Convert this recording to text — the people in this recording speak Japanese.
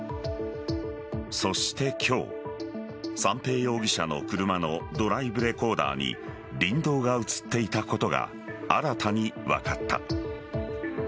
そして今日三瓶容疑者の車のドライブレコーダーに林道が映っていたことが新たに分かった。